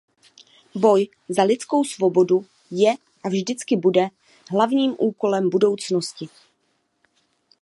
Boj za lidskou svobodu je a vždycky bude hlavním úkolem budoucnosti.